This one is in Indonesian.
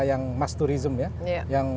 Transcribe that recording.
yang mass tourism ya yang